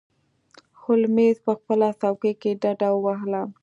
هولمز په خپله څوکۍ کې ډډه ووهله.